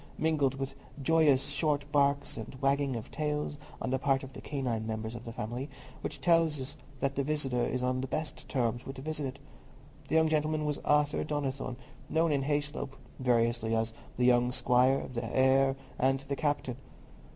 mingled with joyous short barks and wagging of tails on the part of the canine members of the family, which tells that the visitor is on the best terms with the visited. The young gentleman was Arthur Donnithorne, known in Hayslope, variously, as "the young squire," "the heir," and "the captain."